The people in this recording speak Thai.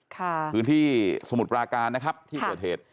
คือที่สมุดปราการนะครับที่โดยเทศ